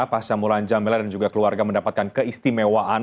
pasca mulan jam milen dan juga keluarga mendapatkan keistimewaan